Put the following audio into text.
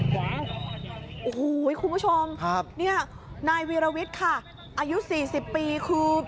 โอ้โหคุณผู้ชมครับเนี่ยนายวีรวิทย์ค่ะอายุสี่สิบปีคือ